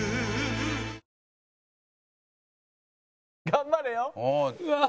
頑張れよ。